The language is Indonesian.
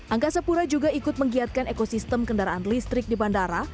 angkasa pura juga ikut menggiatkan ekosistem kendaraan listrik di bandara